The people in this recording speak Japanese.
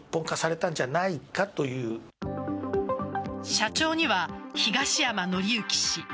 社長には東山紀之氏